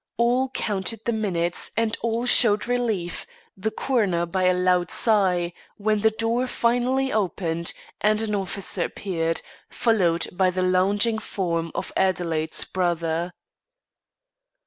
All counted the minutes and all showed relief the coroner by a loud sigh when the door finally opened and an officer appeared, followed by the lounging form of Adelaide's brother.